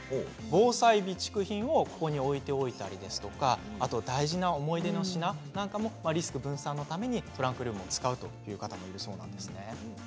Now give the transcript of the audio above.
防災備蓄品をここに置いておいたりあと大事な思い出の品なんかをリスク分散のためにトランクルームを使うという方もいらっしゃるそうなんですね。